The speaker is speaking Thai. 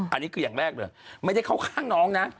อันนี้คืออย่างแรกเลยไม่ได้เข้าข้างน้องนะ